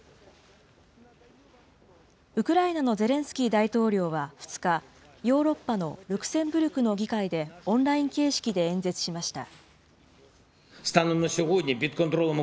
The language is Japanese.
ウクライナのゼレンスキー大統領は２日、ヨーロッパのルクセンブルクの議会でオンライン形式で演説しました。